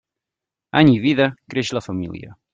Any i vida, creix la família.